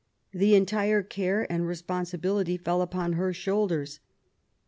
The entire care and re sponsibility fell upon her shoulders.